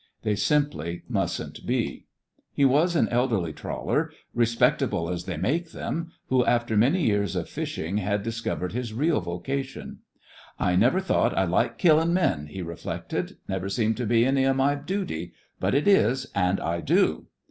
They simply mustn't be." He was an elderly trawler, re spectable as they make them, who, THE FRINGES OF THE FLEET 91 after many years of fishing, had dis covered his real vocation, "I never thought I'd Hke kilKn' men," he reflected. "Never seemed to be any o' my dooty. But it is — and I do!"